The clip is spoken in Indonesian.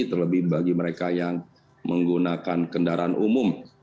terlebih bagi mereka yang menggunakan kendaraan umum